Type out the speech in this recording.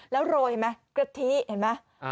แล้วโรยเห็นไหมกะทิเห็นไหม